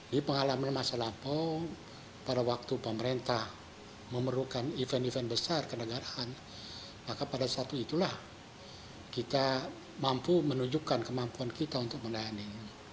di pengalaman masa lampau pada waktu pemerintah memerlukan event event besar kenegaraan maka pada saat itulah kita mampu menunjukkan kemampuan kita untuk melayani